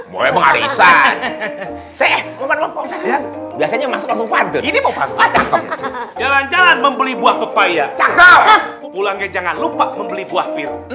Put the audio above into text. biasanya masuk masuk jalan jalan membeli buah pepaya ulangnya jangan lupa membeli buah